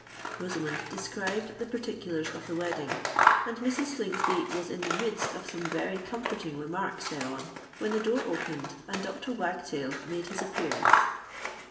Rosamond described the particulars of the wedding; and Mrs. Slingsby was in the midst of some very comforting remarks thereon, when the door opened and Dr. Wagtail made his appearance.